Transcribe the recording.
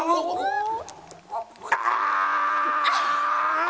ああ！